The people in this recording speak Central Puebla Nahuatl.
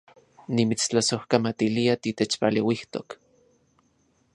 Nimitstlasojkamatilia titechpaleuijtok